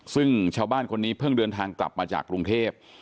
ซึ่งชาวบ้านคนนี้เพิ่งเดินทางกลับมาจากกรุงเทพ